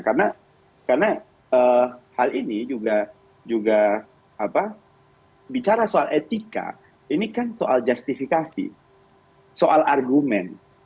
karena hal ini juga bicara soal etika ini kan soal justifikasi soal argumen